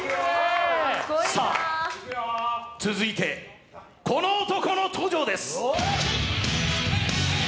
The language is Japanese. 続いて、この男の登場です。